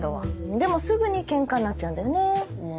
でもすぐにケンカになっちゃうんだよね。